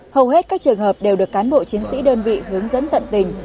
hầu hết các trường hợp đều được cán bộ chiến sĩ đơn vị hướng dẫn tận tình